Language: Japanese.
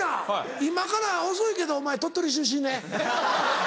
今から遅いけどお前鳥取出身ね。